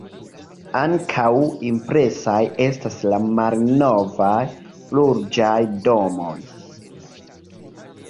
Ankaŭ impresaj estas la malnovaj burĝaj domoj.